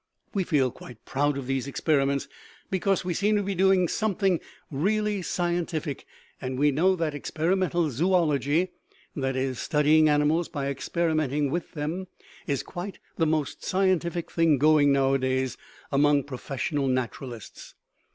We feel quite proud of these experiments because we seemed to be doing something really scientific; and we know that Experimental Zoology, that is, studying animals by experimenting with them, is quite the most scientific thing going nowadays among professional naturalists.